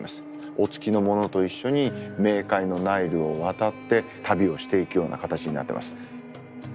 お付きの者と一緒に冥界のナイルを渡って旅をしていくような形になってます。